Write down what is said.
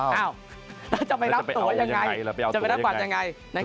แล้วจะไปรับตัวยังไง